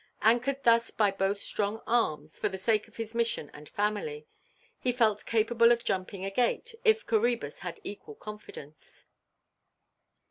Anchored thus by both strong arms—for the sake of his mission and family—he felt capable of jumping a gate, if Coræbus had equal confidence.